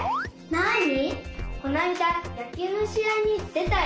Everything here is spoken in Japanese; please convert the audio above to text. なに？